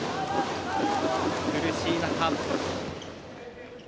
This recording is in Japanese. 苦しい中。